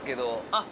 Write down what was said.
あっ。